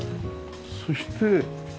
そして。